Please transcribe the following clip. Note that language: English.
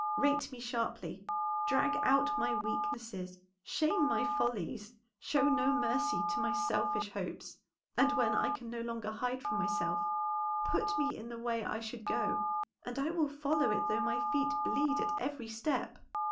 Rate me sharply, drag out my weaknesses, shame my follies, show no mercy to my selfish hopes; and when I can no longer hide from myself put me in the way I should go, and I will follow it though my feet bleed at every step."